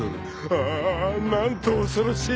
［ああなんと恐ろしい］